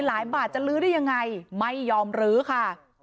บาทจะลื้อได้ยังไงไม่ยอมลื้อค่ะ